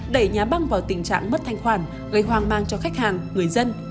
đẩy nhà băng vào tình trạng mất thanh khoản gây hoang mang cho khách hàng người dân